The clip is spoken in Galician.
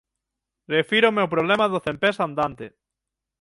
Refírome ao problema do "cempés andante"».